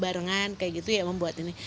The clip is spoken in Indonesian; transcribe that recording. barengan kayak gitu ya membuat ini